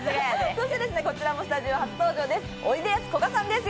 そして、こちらもスタジオ初登場です。